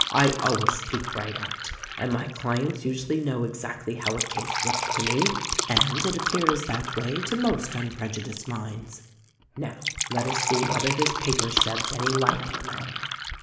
I always speak right out, and my clients usually know exactly how a case looks to me — and it appears that way to most unprejudiced minds. "Now, let us see whether this paper sheds any light on the matter.